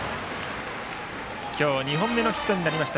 今日２本目のヒットになりました